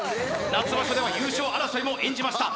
夏場所では優勝争いも演じました